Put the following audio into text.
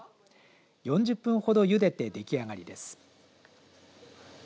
４０分ほど茹でて出来上がりです。